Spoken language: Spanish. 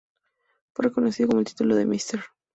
Fue reconocido con el titulo de Mr.